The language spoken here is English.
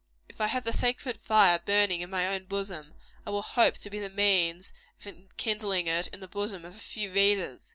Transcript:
If I have the sacred fire burning in my own bosom, I will hope to be the means of enkindling it in the bosom of a few readers.